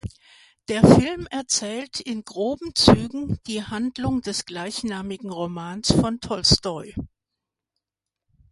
Der Film erzählt in groben Zügen die Handlung des gleichnamigen Romans von Tolstoi.